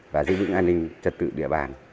và giữ vững an ninh trật tự địa bàn